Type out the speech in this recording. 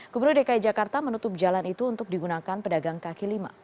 gubernur dki jakarta menutup jalan itu untuk digunakan pedagang kaki lima